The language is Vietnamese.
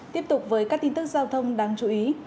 tiếp tục với các tin tức giao thông đáng chú ý